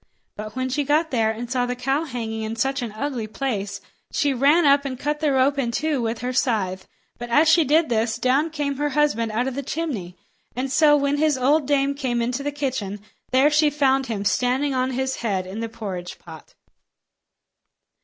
But when she got there and saw the cow hanging in such an ugly place, she ran up and cut the rope in two with her scythe. But as she did this, down came her husband out of the chimney; and so when his old dame came inside the kitchen, there she found him standing on his head in the porridge pot.